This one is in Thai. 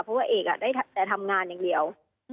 เพราะว่าเอกได้แต่ทำงานอย่างเดียว